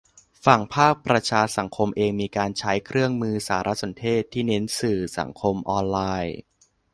ฝั่งภาคประชาสังคมเองมีการใช้เครื่องมือสารสนเทศที่เน้นสื่อสังคมออนไลน์